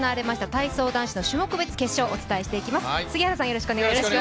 体操男子の種目別決勝をお伝えしていきます。